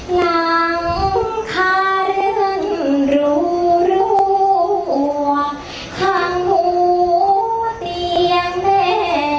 หลังคาเรือนรูรั่วข้างหัวเตียงแม่